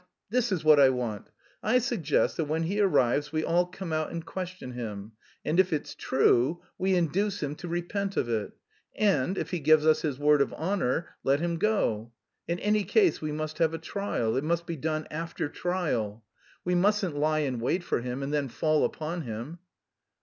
this is what I want. I suggest that when he arrives we all come out and question him, and if it's true, we induce him to repent of it; and if he gives us his word of honour, let him go. In any case we must have a trial; it must be done after trial. We mustn't lie in wait for him and then fall upon him."